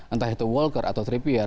entah itu walker atau tripper